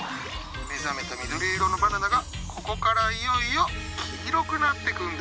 目覚めた緑色のバナナがここからいよいよ黄色くなってくんだよ。